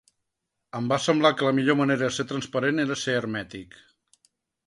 Em va semblar que la millor manera de ser transparent era ser hermètic.